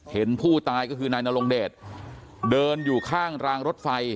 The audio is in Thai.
เห็นผู้ตายก็คือนายนรงเดชเดินอยู่ข้างรางรถไฟ